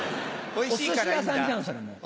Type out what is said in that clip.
おいしいから。